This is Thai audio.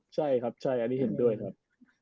ใช่ครับใช่อันนี้เห็นด้วยครับ